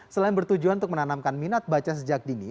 selain bertujuan untuk menanamkan minat baca sejak dini